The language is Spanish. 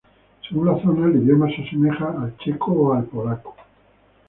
Según la zona el idioma se asemeja a checo o a polaco.